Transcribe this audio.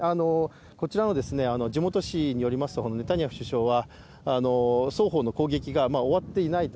こちらの地元紙によりますとネタニヤフ首相は双方の攻撃が終わっていないと。